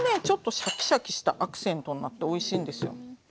ちょっとシャキシャキしたアクセントになっておいしいんですよ。